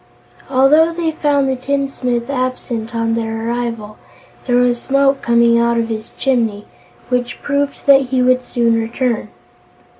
Although they found the tinsmith absent on their arrival, there was smoke coming out of his chimney, which proved that he would soon return.